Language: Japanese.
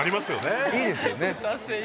いいですよね。